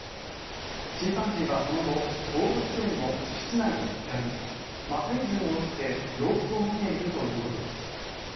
チンパンジーはその後動物園の敷地内で見つかり麻酔銃を撃って様子を見ているということです。